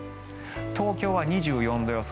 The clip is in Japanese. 東京は２４度予想。